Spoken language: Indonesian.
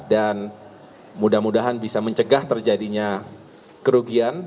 dan mudah mudahan bisa mencegah terjadinya kerugian